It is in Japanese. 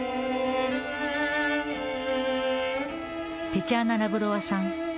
テチャーナ・ラブロワさん。